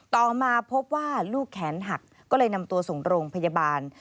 ต่อมาพบว่าลูกแขนหักก็เลยนำตัวส่งโรงพยาบาล